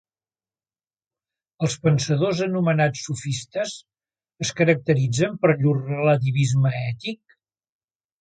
Els pensadors anomenats sofistes, es caracteritzen per llur relativisme ètic?